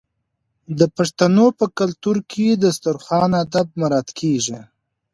د پښتنو په کلتور کې د دسترخان اداب مراعات کیږي.